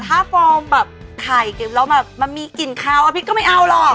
ถ้าฟอร์มแบบไข่แล้วมันมีกลิ่นขาวอภิกษ์ก็ไม่เอาหรอก